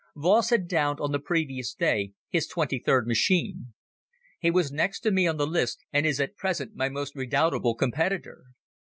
Voss had downed on the previous day his twenty third machine. He was next to me on the list and is at present my most redoubtable competitor.